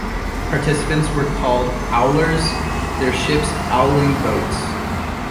Participants were called "owlers"; their ships "owling boats".